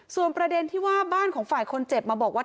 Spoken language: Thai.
ส่วนประเด็นที่ว่าบ้านของฝ่ายคนเจ็บมาบอกว่า